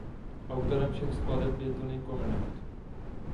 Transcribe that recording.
Autorem všech skladeb je Tony Conrad.